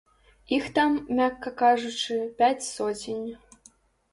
Іх там, мякка кажучы, пяць соцень.